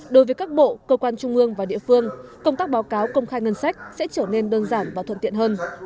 đối với các bộ cơ quan trung ương và địa phương công tác báo cáo công khai ngân sách sẽ trở nên đơn giản và thuận tiện hơn